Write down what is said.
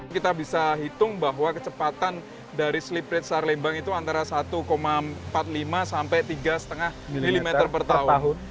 kita bisa hitung bahwa kecepatan dari sleep rate sarlembang itu antara satu empat puluh lima sampai tiga lima mm per tahun